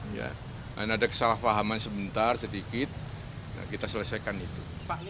dan ada kesalahpahaman sebentar sedikit kita selesaikan itu